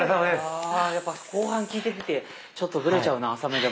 あやっぱ後半効いてきてちょっとブレちゃうな浅めでも。